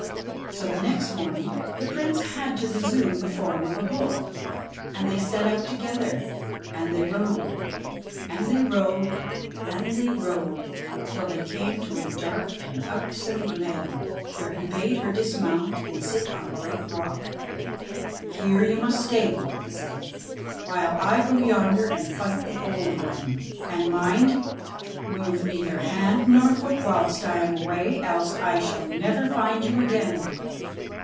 So the next morning the Prince had to resume the form of a bull, and they set out together ; and they rode, and they rode, and they rode, till they came to a dark and ugsome glen. And here he bade her dismount, and sit on a great rock. "Here you must stay," he said, ''while I go yonder and fight the Old One. And mind ! move neither hand nor foot whilst I am away, else I shall never find you again.